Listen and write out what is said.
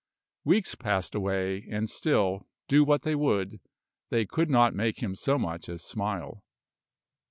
Weeks passed away, and still, do what they would, they could not make him so much as smile.